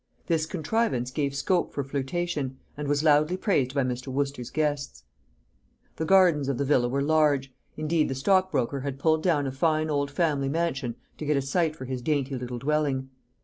This contrivance gave scope for flirtation, and was loudly praised by Mr. Wooster's guests. The gardens of the villa were large indeed, the stockbroker had pulled down a fine old family mansion to get a site for his dainty little dwelling.